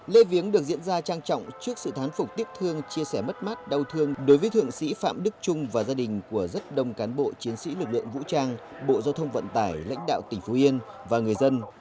lễ viếng được diễn ra trang trọng trước sự thán phục tiếc thương chia sẻ mất mát đau thương đối với thượng sĩ phạm đức trung và gia đình của rất đông cán bộ chiến sĩ lực lượng vũ trang bộ giao thông vận tải lãnh đạo tỉnh phú yên và người dân